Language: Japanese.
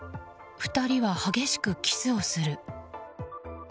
２人は激しくキスをする。